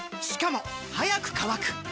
しかも速く乾く！